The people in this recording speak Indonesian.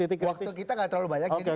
waktu kita gak terlalu banyak